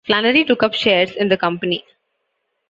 Flannery took up shares in the company.